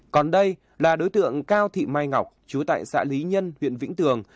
còn đây là đối tượng cao thị mai ngọc chú tại xã lý nhân huyện vĩnh tường